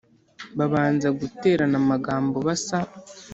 babanza guterana amagambo basa